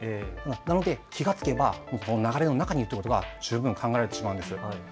なので気が付けば流れの中にいるということは十分、考えられてしまうんです。